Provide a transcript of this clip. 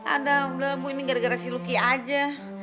aduh bu ini gara gara si lucky aja